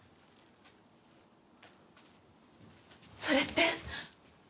それって！？